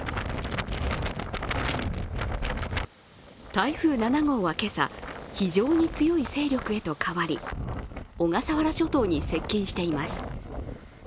台風７号は今朝、非常に強い勢力へと変わり小笠原諸島に接近しています。